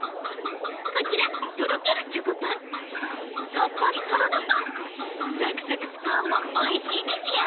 こちらとろけるチョコパンさっぱりサラダパンさくさくスコーンもおいしいですよ！